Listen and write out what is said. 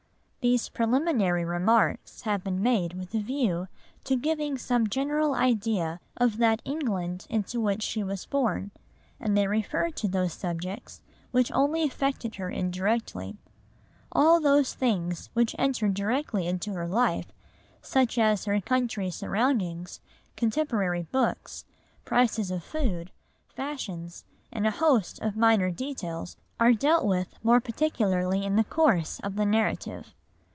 These preliminary remarks have been made with a view to giving some general idea of that England into which she was born, and they refer to those subjects which only affected her indirectly. All those things which entered directly into her life, such as her country surroundings, contemporary books, prices of food, fashions, and a host of minor details, are dealt with more particularly in the course of the narrative.